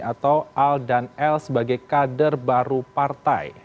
atau al dan l sebagai kader baru partai